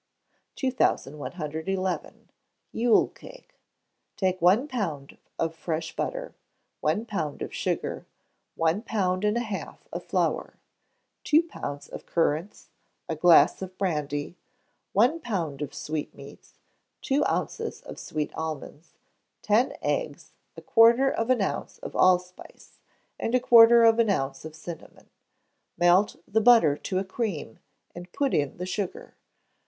2111. Yule Cake. Take one pound of fresh butter; one pound of sugar; one pound and a half of flour; two pounds of currants; a glass of brandy; one pound of sweetmeats; two ounces of sweet almonds; ten eggs; a quarter of an ounce of allspice; and a quarter of an ounce of cinnamon. Melt the butter to a cream, and put in the sugar.